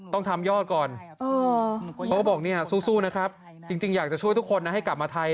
ต้องทำยอดก่อนเขาก็บอกเนี่ยสู้นะครับจริงอยากจะช่วยทุกคนนะให้กลับมาไทย